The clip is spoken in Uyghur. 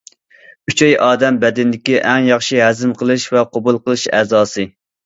ئۈچەي ئادەم بەدىنىدىكى ئەڭ ياخشى ھەزىم قىلىش ۋە قوبۇل قىلىش ئەزاسى.